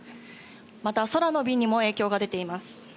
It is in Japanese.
また空の便にも影響が出ています。